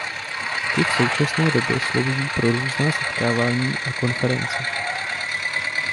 Ty v současné době slouží pro různá setkávání a konference.